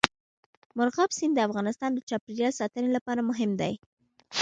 مورغاب سیند د افغانستان د چاپیریال ساتنې لپاره مهم دي.